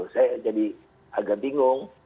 saya jadi agak bingung